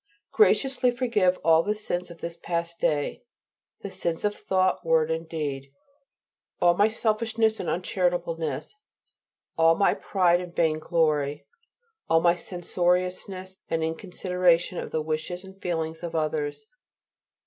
Graciously forgive all the sins of this past day the sins of thought, word and deed; all my selfishness and uncharitableness; all my pride and vain glory; all my censoriousness and inconsideration of the wishes and feelings of others.